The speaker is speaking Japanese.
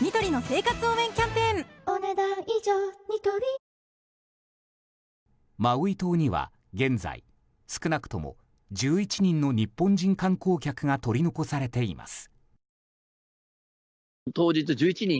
ニトリマウイ島には現在、少なくとも１１人の日本人観光客が取り残されています。